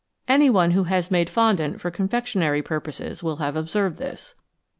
Any one who has made fondant for confectionery pur poses will have observed this.